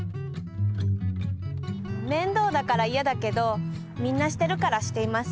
めんどうだからいやだけどみんなしてるからしています。